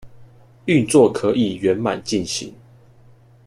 運作可以圓滿進行